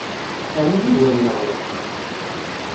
Ɛni d ugur-nneɣ wa?